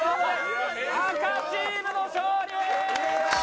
赤チームの勝利！